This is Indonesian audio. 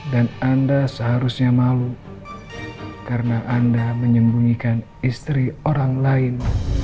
dan anda seharusnya malu karena anda menyembunyikan istri orang lain